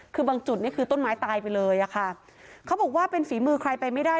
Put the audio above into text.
คือบางจุดนี่คือต้นไม้ตายไปเลยอะค่ะเขาบอกว่าเป็นฝีมือใครไปไม่ได้